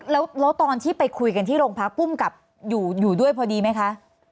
แล้วตอนที่ไปคุยกันที่โรงพักภูมิกับอยู่ด้วยพอดีไหมคะ